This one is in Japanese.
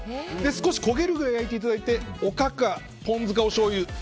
少し焦げるぐらい焼いていただいておかか、ポン酢かおしょうゆ。